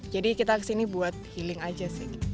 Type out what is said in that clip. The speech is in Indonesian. jadi kita kesini buat healing saja